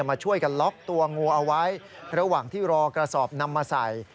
มาช่วยกันล็อกตัวงูเอาไว้ระหว่างที่รอกระสอบนำมาใส่